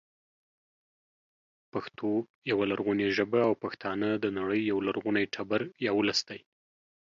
پښتو يوه لرغونې ژبه او پښتانه د نړۍ یو لرغونی تبر یا ولس دی